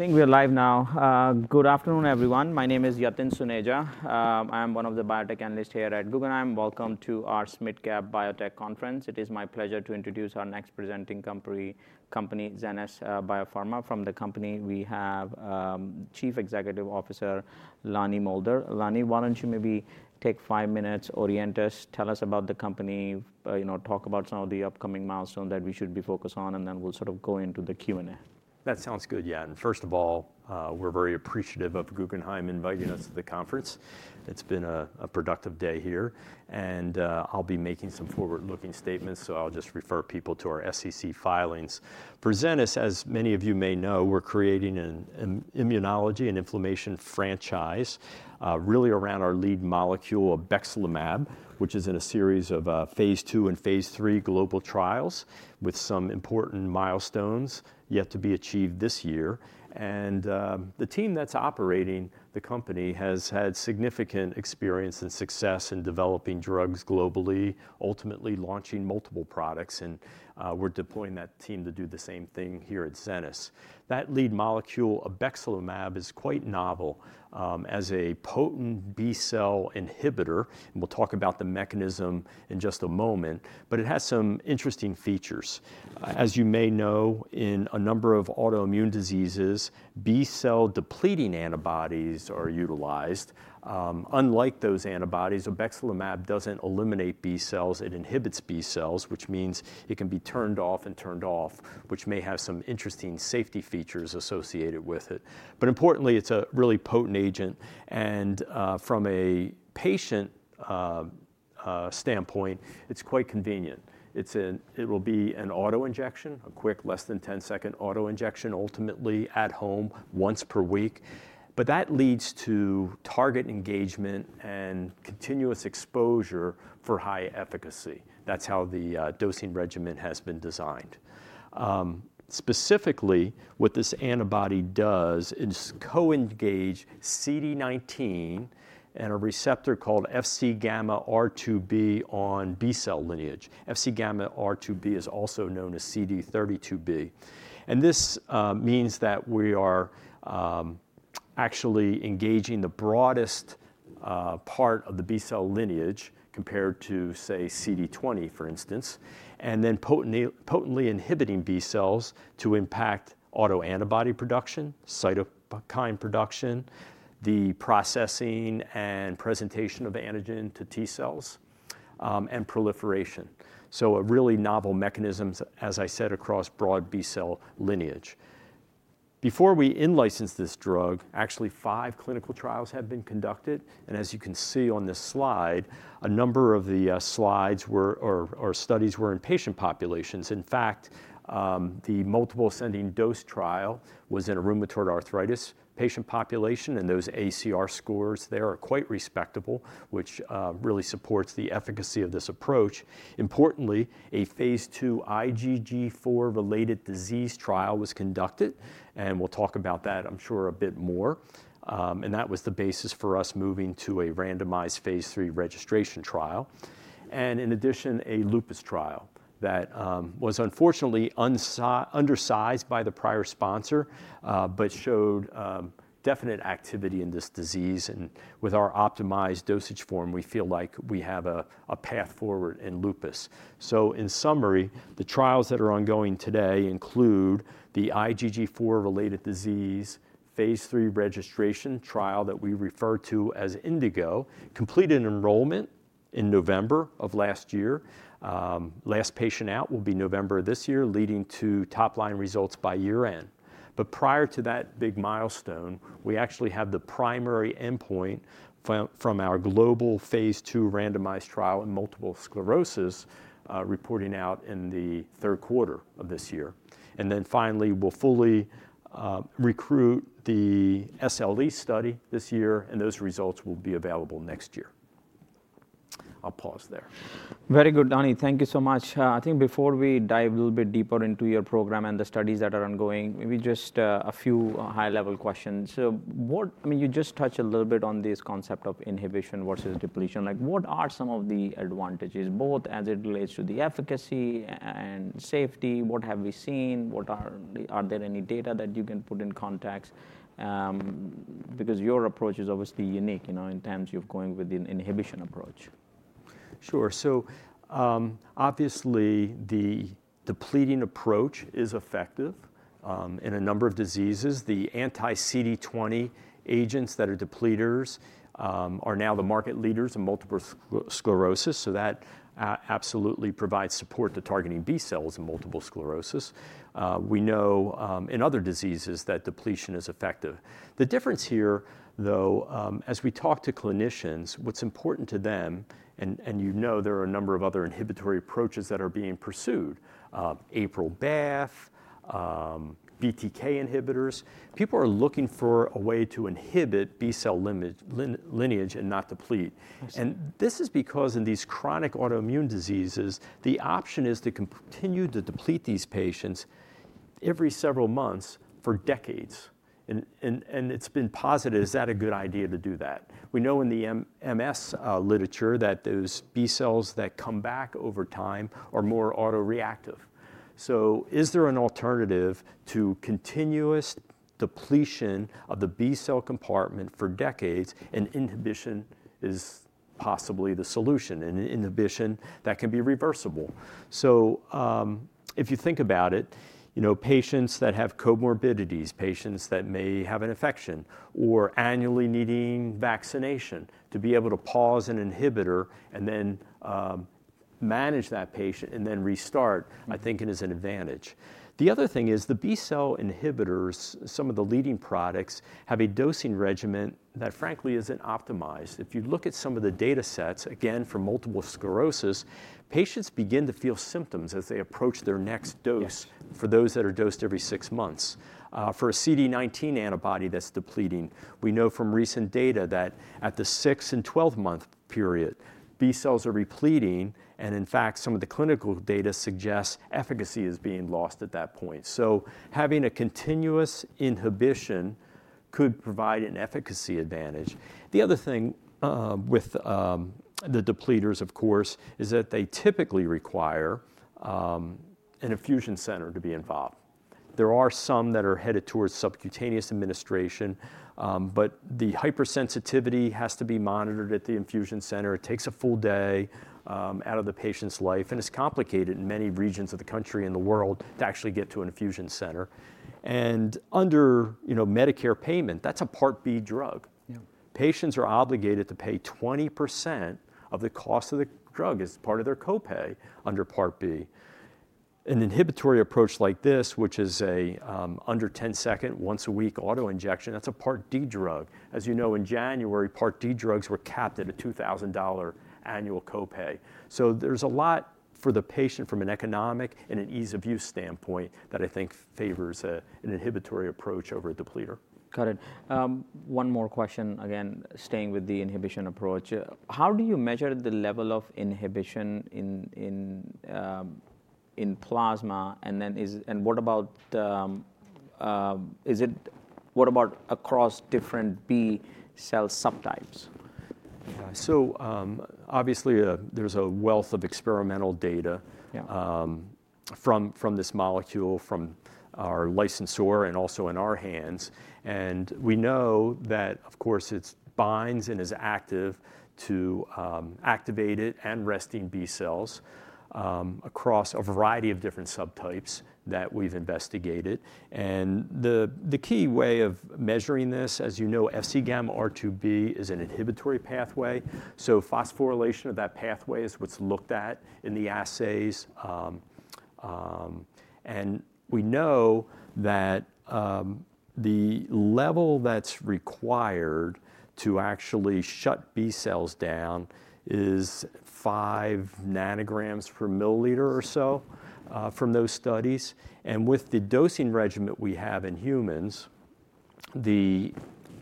I think we're live now. Good afternoon, everyone. My name is Yatin Suneja. I am one of the biotech analysts here at Guggenheim. Welcome to our SMID Cap Biotech Conference. It is my pleasure to introduce our next presenting company, Zenas BioPharma. From the company, we have Chief Executive Officer Lonnie Moulder. Lonnie, why don't you maybe take five minutes, orient us, tell us about the company, you know, talk about some of the upcoming milestones that we should be focused on, and then we'll sort of go into the Q&A. That sounds good, Yatin. First of all, we're very appreciative of Guggenheim inviting us to the conference. It's been a productive day here, and I'll be making some forward-looking statements, so I'll just refer people to our SEC filings. For Zenas, as many of you may know, we're creating an immunology and inflammation franchise, really around our lead molecule, obexelimab, which is in a series of phase II and phase III global trials with some important milestones yet to be achieved this year, and the team that's operating the company has had significant experience and success in developing drugs globally, ultimately launching multiple products, and we're deploying that team to do the same thing here at Zenas. That lead molecule, obexelimab, is quite novel, as a potent B cell inhibitor, and we'll talk about the mechanism in just a moment, but it has some interesting features. As you may know, in a number of autoimmune diseases, B cell depleting antibodies are utilized. Unlike those antibodies, obexelimab doesn't eliminate B cells. It inhibits B cells, which means it can be turned off and turned off, which may have some interesting safety features associated with it. But importantly, it's a really potent agent. From a patient standpoint, it's quite convenient. It will be an autoinjection, a quick, less than 10-second autoinjection, ultimately at home once per week. That leads to target engagement and continuous exposure for high efficacy. That's how the dosing regimen has been designed. Specifically, what this antibody does is co-engage CD19 and a receptor called Fc gamma RIIb on B cell lineage. Fc gamma RIIb is also known as CD32b. This means that we are actually engaging the broadest part of the B cell lineage compared to, say, CD20, for instance, and then potently inhibiting B cells to impact autoantibody production, cytokine production, the processing and presentation of the antigen to T cells, and proliferation. So a really novel mechanism, as I said, across broad B cell lineage. Before we in-license this drug, actually five clinical trials have been conducted. And as you can see on this slide, a number of the studies were in patient populations. In fact, the multiple ascending dose trial was in a rheumatoid arthritis patient population, and those ACR scores there are quite respectable, which really supports the efficacy of this approach. Importantly, a phase 2 IgG4-related disease trial was conducted, and we'll talk about that, I'm sure, a bit more. and that was the basis for us moving to a randomized phase three registration trial. And in addition, a lupus trial that was unfortunately undersized by the prior sponsor but showed definite activity in this disease. And with our optimized dosage form, we feel like we have a path forward in lupus. So in summary, the trials that are ongoing today include the IgG4-related disease phase III registration trial that we refer to as INDIGO, completed enrollment in November of last year. Last patient out will be November of this year, leading to top-line results by year-end. But prior to that big milestone, we actually have the primary endpoint from our global phase two randomized trial in multiple sclerosis, reporting out in the third quarter of this year. Then finally, we'll fully recruit the SLE study this year, and those results will be available next year. I'll pause there. Very good, Lonnie. Thank you so much. I think before we dive a little bit deeper into your program and the studies that are ongoing, maybe just a few high-level questions. So what, I mean, you just touched a little bit on this concept of inhibition versus depletion. Like, what are some of the advantages, both as it relates to the efficacy and safety? What have we seen? Are there any data that you can put in context? Because your approach is obviously unique, you know, in terms of going with an inhibition approach. Sure. So, obviously the depleting approach is effective in a number of diseases. The anti-CD20 agents that are depleters are now the market leaders in multiple sclerosis. So that absolutely provides support to targeting B cells in multiple sclerosis. We know in other diseases that depletion is effective. The difference here, though, as we talk to clinicians, what's important to them, and you know, there are a number of other inhibitory approaches that are being pursued, APRIL-BAFF, BTK inhibitors. People are looking for a way to inhibit B cell lineage and not deplete. And this is because in these chronic autoimmune diseases, the option is to continue to deplete these patients every several months for decades. And it's been posited. Is that a good idea to do that? We know in the MS literature that those B cells that come back over time are more autoreactive, so is there an alternative to continuous depletion of the B cell compartment for decades, and inhibition is possibly the solution and an inhibition that can be reversible, so if you think about it, you know, patients that have comorbidities, patients that may have an infection or annually needing vaccination to be able to pause an inhibitor and then manage that patient and then restart, I think it is an advantage. The other thing is the B cell inhibitors, some of the leading products have a dosing regimen that frankly isn't optimized. If you look at some of the data sets, again, for multiple sclerosis, patients begin to feel symptoms as they approach their next dose for those that are dosed every six months. for a CD19 antibody that's depleting, we know from recent data that at the six and 12 month period, B cells are repleting, and in fact, some of the clinical data suggest efficacy is being lost at that point, so having a continuous inhibition could provide an efficacy advantage. The other thing with the depleters, of course, is that they typically require an infusion center to be involved. There are some that are headed towards subcutaneous administration, but the hypersensitivity has to be monitored at the infusion center. It takes a full day out of the patient's life, and it's complicated in many regions of the country and the world to actually get to an infusion center, and under, you know, Medicare payment, that's a Part B drug. Yeah. Patients are obligated to pay 20% of the cost of the drug as part of their copay under Part B. An inhibitory approach like this, which is a under 10-second, once a week autoinjection, that's a Part D drug. As you know, in January, Part D drugs were capped at a $2,000 annual copay. So there's a lot for the patient from an economic and an ease of use standpoint that I think favors an inhibitory approach over a depleter. Got it. One more question, again, staying with the inhibition approach. How do you measure the level of inhibition in plasma? And then what about across different B cell subtypes? Yeah. Obviously, there's a wealth of experimental data. Yeah. from this molecule from our licensor and also in our hands. We know that, of course, it binds and is active to activate resting B cells, across a variety of different subtypes that we've investigated. The key way of measuring this, as you know, Fc gamma RIIb is an inhibitory pathway. So phosphorylation of that pathway is what's looked at in the assays. We know that the level that's required to actually shut B cells down is five nanograms per milliliter or so, from those studies. With the dosing regimen we have in humans, the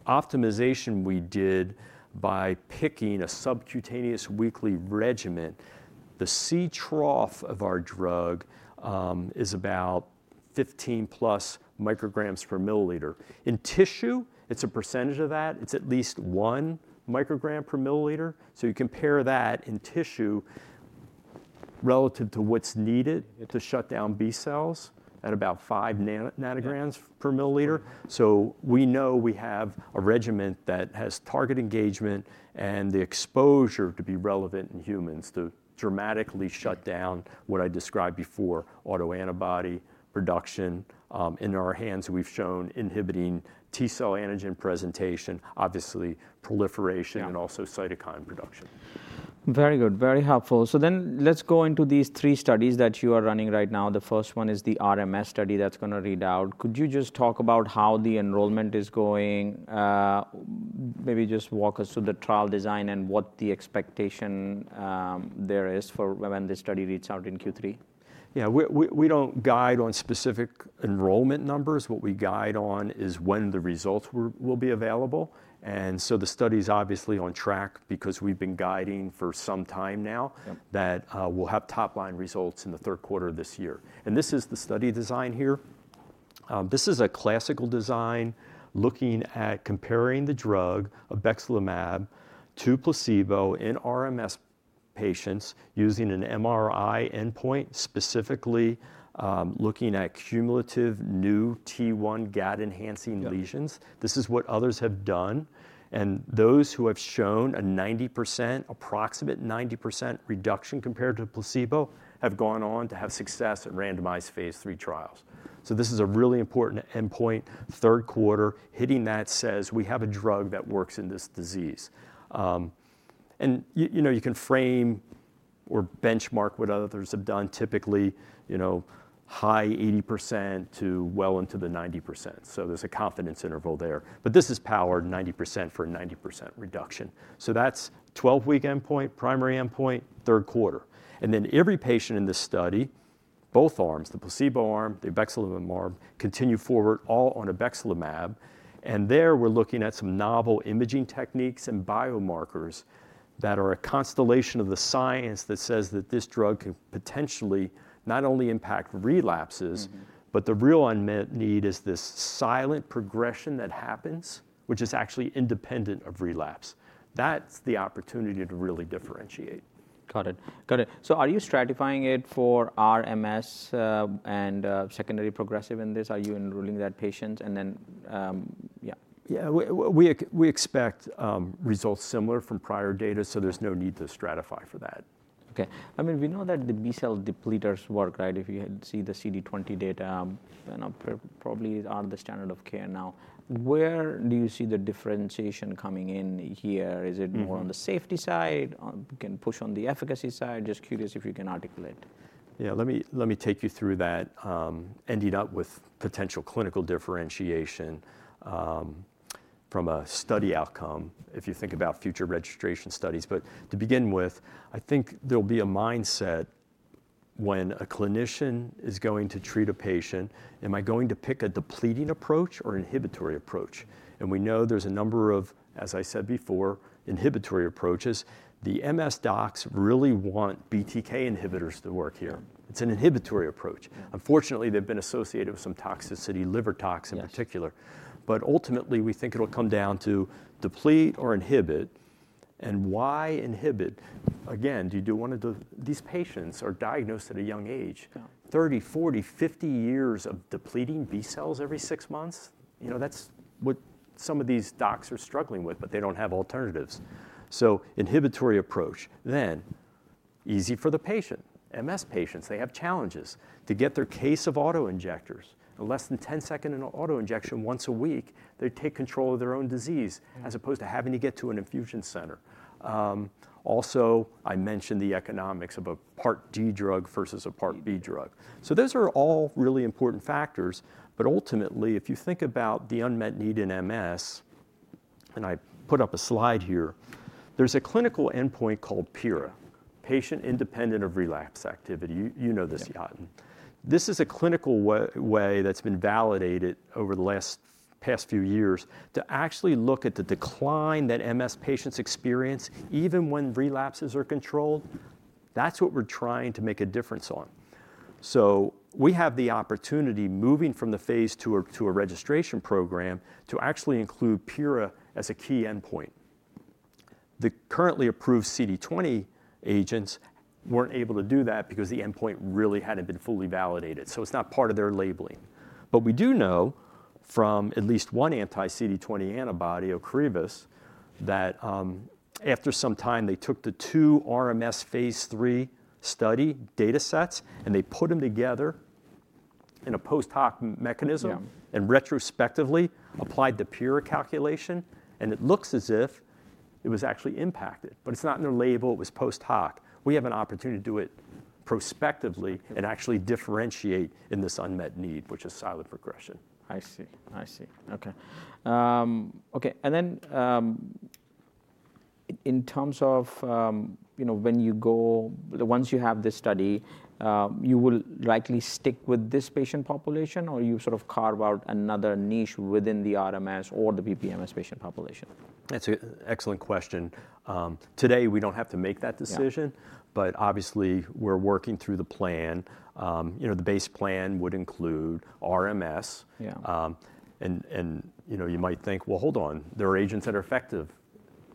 optimization we did by picking a subcutaneous weekly regimen, the C trough of our drug is about 15+ micrograms per milliliter. In tissue, it's a percentage of that. It's at least one microgram per milliliter. So you compare that in tissue relative to what's needed to shut down B cells at about five nanograms per milliliter. So we know we have a regimen that has target engagement and the exposure to be relevant in humans to dramatically shut down what I described before, autoantibody production. In our hands, we've shown inhibiting T cell antigen presentation, obviously proliferation, and also cytokine production. Very good. Very helpful. So then let's go into these three studies that you are running right now. The first one is the RMS study that's gonna read out. Could you just talk about how the enrollment is going? Maybe just walk us through the trial design and what the expectation there is for when this study reads out in Q3. Yeah. We don't guide on specific enrollment numbers. What we guide on is when the results will be available. And so the study's obviously on track because we've been guiding for some time now that we'll have top line results in the third quarter of this year. And this is the study design here. This is a classical design looking at comparing the drug obexelimab to placebo in RMS patients using an MRI endpoint, specifically looking at cumulative new T1 Gad enhancing lesions. This is what others have done. And those who have shown a 90%, approximate 90% reduction compared to placebo have gone on to have success in randomized phase III trials. So this is a really important endpoint. Third quarter, hitting that says we have a drug that works in this disease. And you, you know, you can frame or benchmark what others have done typically, you know, high 80% to well into the 90%. So there's a confidence interval there, but this is power 90% for 90% reduction. So that's 12-week endpoint, primary endpoint, third quarter. And then every patient in this study, both arms, the placebo arm, the obexelimab arm, continue forward all on obexelimab. And there we're looking at some novel imaging techniques and biomarkers that are a constellation of the science that says that this drug can potentially not only impact relapses, but the real unmet need is this silent progression that happens, which is actually independent of relapse. That's the opportunity to really differentiate. Got it. Are you stratifying it for RMS and secondary progressive in this? Are you enrolling those patients? And then, yeah. Yeah. We expect results similar from prior data. So there's no need to stratify for that. Okay. I mean, we know that the B cell depleters work, right? If you see the CD20 data, you know, probably are the standard of care now. Where do you see the differentiation coming in here? Is it more on the safety side? Can push on the efficacy side? Just curious if you can articulate. Yeah. Let me, let me take you through that, ending up with potential clinical differentiation from a study outcome if you think about future registration studies. But to begin with, I think there'll be a mindset when a clinician is going to treat a patient, am I going to pick a depleting approach or inhibitory approach? And we know there's a number of, as I said before, inhibitory approaches. The MS docs really want BTK inhibitors to work here. It's an inhibitory approach. Unfortunately, they've been associated with some toxicity, liver toxin in particular. But ultimately, we think it'll come down to deplete or inhibit. And why inhibit? Again, do you do one of those? These patients are diagnosed at a young age, 30, 40, 50 years of depleting B cells every six months. You know, that's what some of these docs are struggling with, but they don't have alternatives. So inhibitory approach, then easy for the patient. MS patients, they have challenges to get their case of auto injectors. Less than 10-second autoinjection once a week, they take control of their own disease as opposed to having to get to an infusion center. Also I mentioned the economics of a Part D drug versus a Part B drug. Those are all really important factors. Ultimately, if you think about the unmet need in MS, and I put up a slide here, there's a clinical endpoint called PIRA, progression independent of relapse activity. You know this, Yatin. This is a clinical way that's been validated over the past few years to actually look at the decline that MS patients experience even when relapses are controlled. That's what we're trying to make a difference on. So we have the opportunity moving from the phase two to a registration program to actually include PIRA as a key endpoint. The currently approved CD20 agents weren't able to do that because the endpoint really hadn't been fully validated. So it's not part of their labeling. But we do know from at least one anti-CD20 antibody, Ocrevus, that, after some time they took the two RMS phase three study data sets and they put 'em together in a post hoc mechanism and retrospectively applied the PIRA calculation. And it looks as if it was actually impacted, but it's not in the label. It was post hoc. We have an opportunity to do it prospectively and actually differentiate in this unmet need, which is silent progression. I see. Okay. And then, in terms of, you know, when you go, then once you have this study, you will likely stick with this patient population or you sort of carve out another niche within the RMS or the PPMS patient population? That's an excellent question. Today we don't have to make that decision, but obviously we're working through the plan. You know, the base plan would include RMS. Yeah. You know, you might think, well, hold on, there are agents that are effective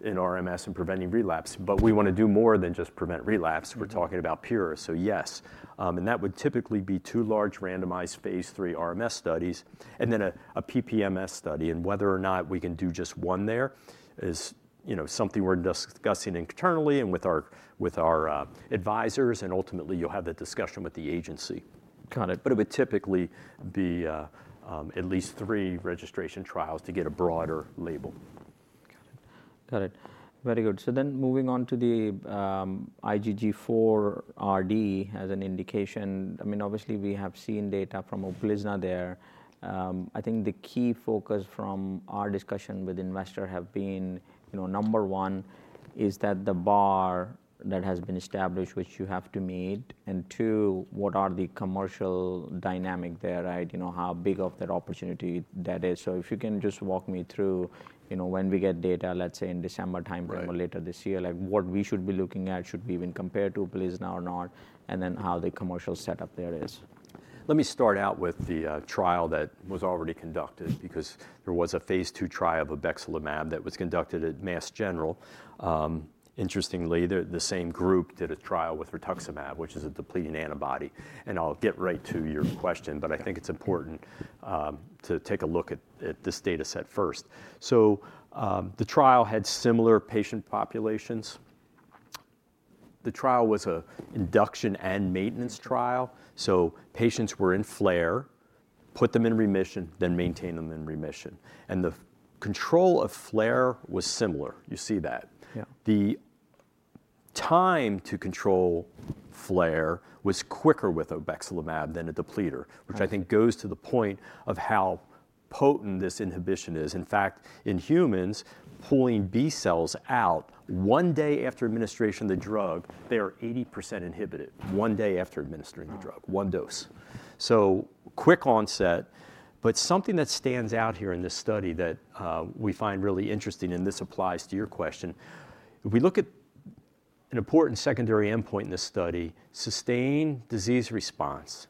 in RMS and preventing relapse, but we wanna do more than just prevent relapse. We're talking about PIRA. So yes. That would typically be two large randomized phase three RMS studies and then a PPMS study. Whether or not we can do just one there is, you know, something we're discussing internally and with our advisors. Ultimately you'll have the discussion with the agency. Got it. But it would typically be at least three registration trials to get a broader label. Got it. Very good. So then moving on to the IgG4-RD as an indication. I mean, obviously we have seen data from Uplizna there. I think the key focus from our discussion with investors have been, you know, number one is that the bar that has been established, which you have to meet. And two, what are the commercial dynamics there, right? You know, how big of that opportunity that is. So if you can just walk me through, you know, when we get data, let's say in December timeframe or later this year, like what we should be looking at, should we even compare to Uplizna or not? And then how the commercial setup there is. Let me start out with the trial that was already conducted because there was a phase II trial of obexelimab that was conducted at Mass General. Interestingly, the same group did a trial with rituximab, which is a depleting antibody. I'll get right to your question, but I think it's important to take a look at this data set first. The trial had similar patient populations. The trial was an induction and maintenance trial. Patients were in flare, put them in remission, then maintain them in remission. The control of flare was similar. You see that. Yeah. The time to control flare was quicker with obexelimab than a depleter, which I think goes to the point of how potent this inhibition is. In fact, in humans, pulling B cells out one day after administration of the drug, they are 80% inhibited one day after administering the drug, one dose. So quick onset, but something that stands out here in this study that, we find really interesting, and this applies to your question. We look at an important secondary endpoint in this study, sustained disease response.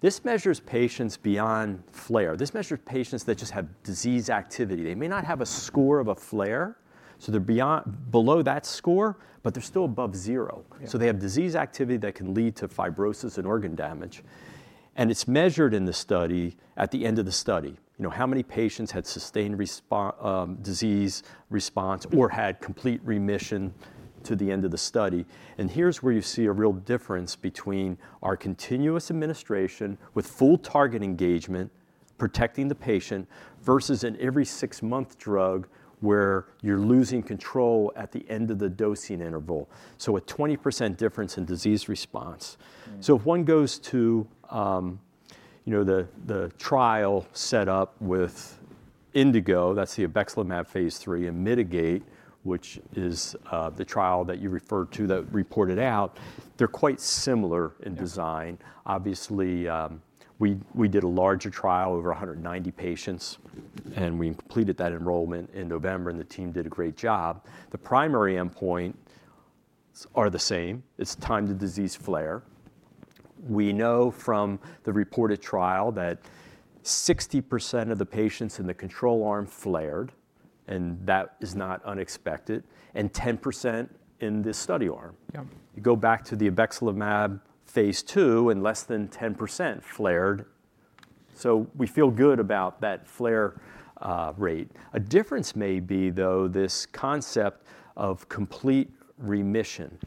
This measures patients beyond flare. This measures patients that just have disease activity. They may not have a score of a flare, so they're beyond, below that score, but they're still above zero. So they have disease activity that can lead to fibrosis and organ damage. It's measured in the study at the end of the study, you know, how many patients had sustained response, disease response or had complete remission to the end of the study. Here's where you see a real difference between our continuous administration with full target engagement, protecting the patient versus an every six-month drug where you're losing control at the end of the dosing interval. A 20% difference in disease response. If one goes to, you know, the trial setup with INDIGO, that's the obexelimab phase III and MITIGATE, which is the trial that you referred to that reported out, they're quite similar in design. Obviously, we did a larger trial over 190 patients and we completed that enrollment in November and the team did a great job. The primary endpoint are the same. It's time to disease flare. We know from the reported trial that 60% of the patients in the control arm flared and that is not unexpected, and 10% in this study arm. Yeah.i Go back to the obexelimab phase 2 and less than 10% flared, so we feel good about that flare rate. A difference may be, though, this concept of complete remission.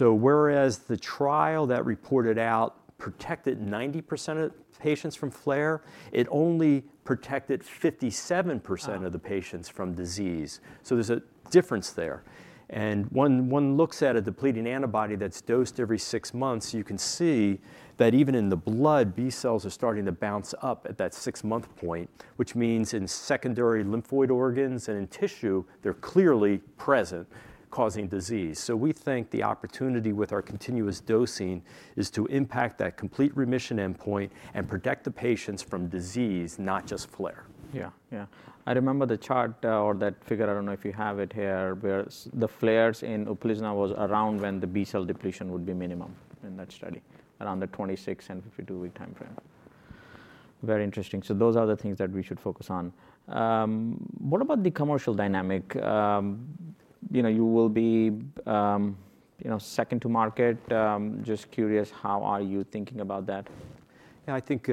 Whereas the trial that reported out protected 90% of patients from flare, it only protected 57% of the patients from disease. So there's a difference there, and one looks at a depleting antibody that's dosed every six months. You can see that even in the blood, B cells are starting to bounce up at that six-month point, which means in secondary lymphoid organs and in tissue, they're clearly present causing disease. We think the opportunity with our continuous dosing is to impact that complete remission endpoint and protect the patients from disease, not just flare. Yeah. Yeah. I remember the chart or that figure, I don't know if you have it here, where the flares in Uplizna was around when the B cell depletion would be minimum in that study, around the 26 and 52-week timeframe. Very interesting. So those are the things that we should focus on. What about the commercial dynamic? You know, you will be, you know, second to market. Just curious how are you thinking about that? Yeah, I think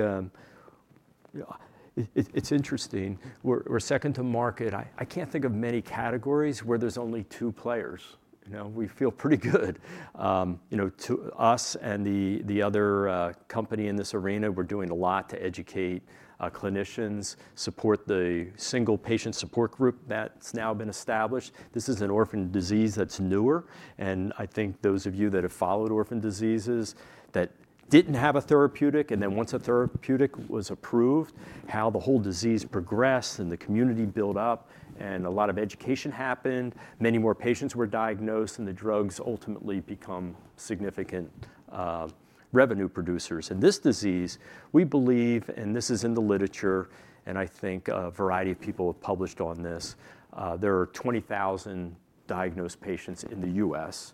it's interesting. We're second to market. I can't think of many categories where there's only two players. You know, we feel pretty good. You know, to us and the other company in this arena, we're doing a lot to educate clinicians, support the single patient support group that's now been established. This is an orphan disease that's newer, and I think those of you that have followed orphan diseases that didn't have a therapeutic, and then once a therapeutic was approved, how the whole disease progressed and the community built up and a lot of education happened, many more patients were diagnosed and the drugs ultimately become significant revenue producers, and this disease, we believe, and this is in the literature, and I think a variety of people have published on this, there are 20,000 diagnosed patients in the U.S.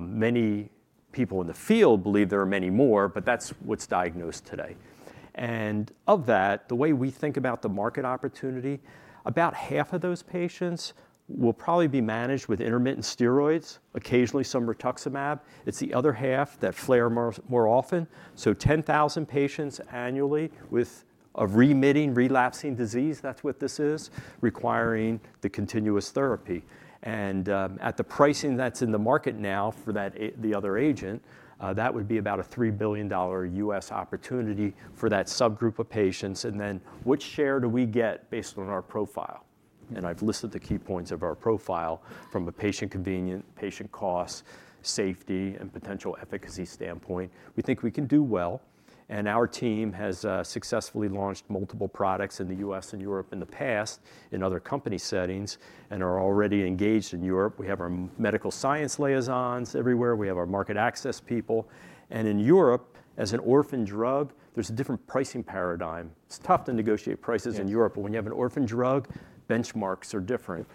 Many people in the field believe there are many more, but that's what's diagnosed today, and of that, the way we think about the market opportunity, about half of those patients will probably be managed with intermittent steroids, occasionally some rituximab. It's the other half that flare more, more often, so 10,000 patients annually with a remitting, relapsing disease, that's what this is, requiring the continuous therapy, and at the pricing that's in the market now for that, the other agent, that would be about a $3 billion U.S. opportunity for that subgroup of patients, and then what share do we get based on our profile? And I've listed the key points of our profile from a patient convenience, patient cost, safety, and potential efficacy standpoint. We think we can do well. Our team has successfully launched multiple products in the U.S. and Europe in the past in other company settings and are already engaged in Europe. We have our medical science liaisons everywhere. We have our market access people. In Europe, as an orphan drug, there's a different pricing paradigm. It's tough to negotiate prices in Europe, but when you have an orphan drug, benchmarks are different.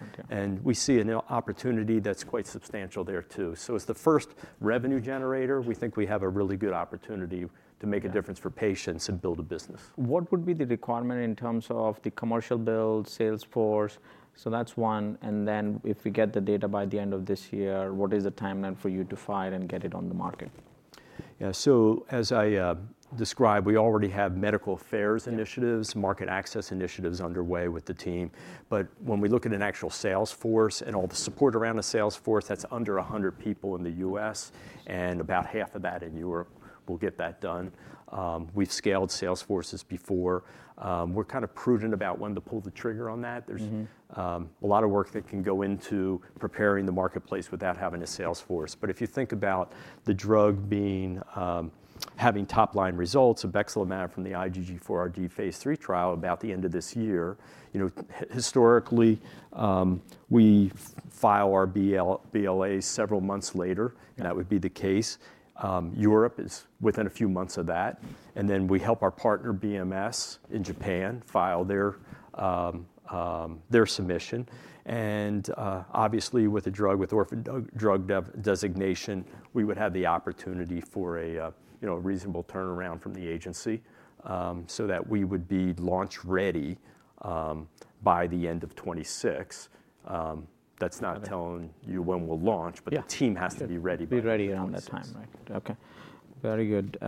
We see an opportunity that's quite substantial there too. It's the first revenue generator. We think we have a really good opportunity to make a difference for patients and build a business. What would be the requirement in terms of the commercial build, sales force? So that's one. And then if we get the data by the end of this year, what is the timeline for you to file and get it on the market? Yeah. So as I described, we already have medical affairs initiatives, market access initiatives underway with the team. But when we look at an actual sales force and all the support around a sales force, that's under a hundred people in the U.S. and about half of that in Europe, we'll get that done. We've scaled sales forces before. We're kind of prudent about when to pull the trigger on that. There's a lot of work that can go into preparing the marketplace without having a sales force. But if you think about the drug being, having top line results, obexelimab from the IgG4 RD phase three trial about the end of this year, you know, historically, we file our BL, BLA several months later, and that would be the case. Europe is within a few months of that. And then we help our partner BMS in Japan file their submission. And, obviously with a drug with orphan drug designation, we would have the opportunity for a, you know, a reasonable turnaround from the agency, so that we would be launch ready by the end of 2026. That's not telling you when we'll launch, but the team has to be ready. Be ready around that time. Okay. Very good.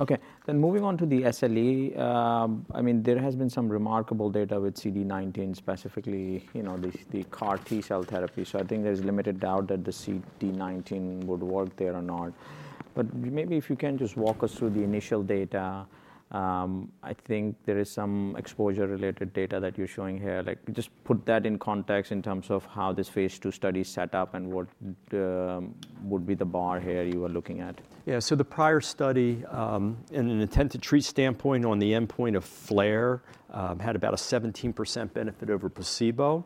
Okay. Then moving on to the SLE, I mean, there has been some remarkable data with CD19, specifically, you know, this, the CAR T cell therapy. So I think there's limited doubt that the CD19 would work there or not. But maybe if you can just walk us through the initial data, I think there is some exposure-related data that you're showing here. Like just put that in context in terms of how this phase two study is set up and what would be the bar here you were looking at. Yeah. So the prior study, in an attempt to treat standpoint on the endpoint of flare, had about a 17% benefit over placebo.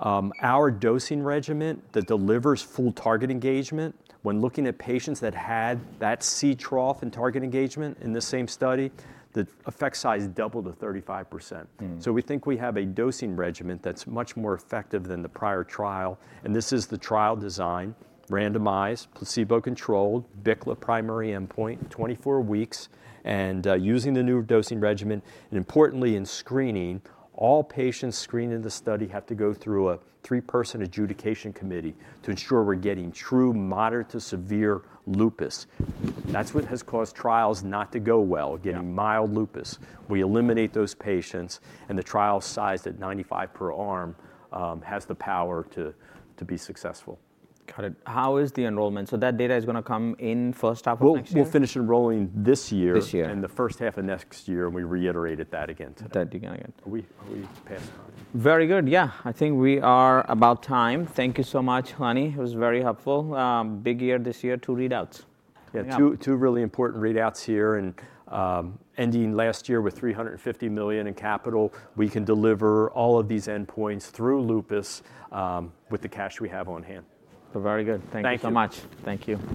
Our dosing regimen that delivers full target engagement, when looking at patients that had that C trough and target engagement in the same study, the effect size doubled to 35%. So we think we have a dosing regimen that's much more effective than the prior trial. And this is the trial design, randomized, placebo-controlled, BICLA primary endpoint, 24 weeks. And, using the new dosing regimen, and importantly in screening, all patients screened in the study have to go through a three-person adjudication committee to ensure we're getting true moderate to severe lupus. That's what has caused trials not to go well, getting mild lupus. We eliminate those patients and the trial sized at 95 per arm, has the power to be successful. Got it. How is the enrollment? So that data is gonna come in first half of next year? We'll finish enrolling this year. This year. In the first half of next year and we reiterated that again. That again. We passed on. Very good. Yeah. I think we're out of time. Thank you so much, Lonnie. It was very helpful. Big year this year with readouts. Yeah. Two really important readouts here and ending last year with $350 million in capital, we can deliver all of these endpoints through lupus, with the cash we have on hand. So very good. Thank you so much. Thank you.